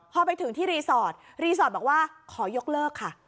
พอไปถึงที่รีสอร์ทรีสอร์ทบอกว่าขอยกเลิกค่ะ